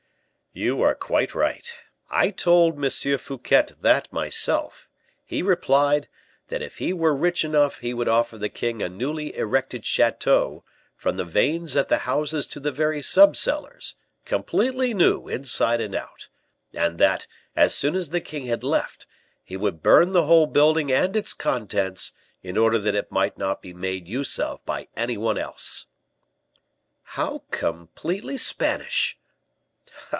"You are quite right. I told M. Fouquet that myself; he replied, that if he were rich enough he would offer the king a newly erected chateau, from the vanes at the houses to the very sub cellars; completely new inside and out; and that, as soon as the king had left, he would burn the whole building and its contents, in order that it might not be made use of by any one else." "How completely Spanish!"